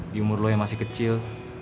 di umur lo yang masih kecil